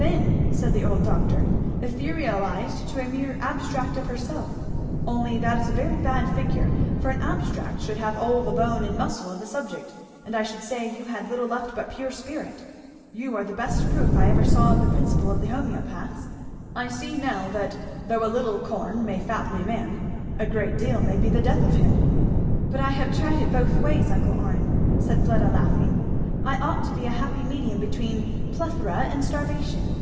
"Thin!" said the old doctor, "etherealized to a mere abstract of herself; only that is a very bad figure, for an abstract should have all the bone and muscle of the subject; and I should say you had little left but pure spirit. You are the best proof I ever saw of the principle of the homoeopaths I see now that though a little corn may fatten a man, a great deal may be the death of him." "But I have tried it both ways, uncle Orrin," said Fleda laughing. "I ought to be a happy medium between plethora and starvation.